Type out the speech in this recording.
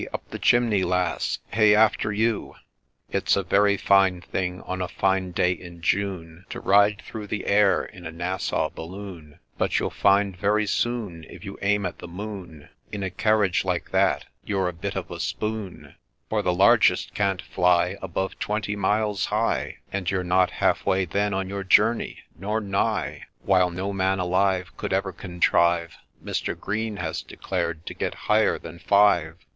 up the chimney, lass ! Hey after you !' It 's a very fine thing, on a fine day in June, To ride through the air in a Nassau Balloon ; But you'll find very soon, if you aim at the Moon In a carriage like that, you're a bit of a ' Spoon,' For the largest can't fly Above twenty miles high, And you're not half way then on your journey, nor nigh ; While no man alive Could ever contrive, Mr. Green has declared, to get higher than five.